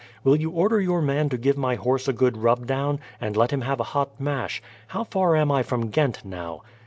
Will you order your man to give my horse a good rub down, and let him have a hot mash. How far am I from Ghent now?"